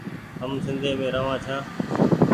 هم سنڌي روآن ڇآن ۔